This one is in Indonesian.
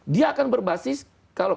dia akan berbasis kalau